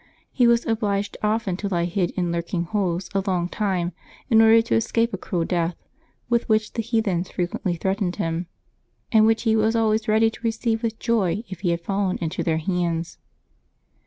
He was obliged often to lie hid in lurking holes a long time in order to escape a cruel death, with which the heathens frequently threatened him, and which he was always ready to receive with joy if he had fallen into their hands.